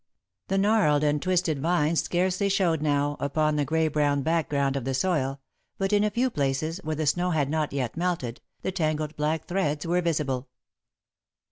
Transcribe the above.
The gnarled and twisted vines scarcely showed now, upon the grey brown background of the soil, but in a few places, where the snow had not yet melted, the tangled black threads were visible.